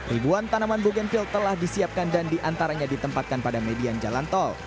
ribuan tanaman bookenfield telah disiapkan dan diantaranya ditempatkan pada median jalan tol